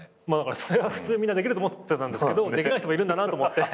それは普通みんなできると思ってたんですけどできない人もいるんだなと思って。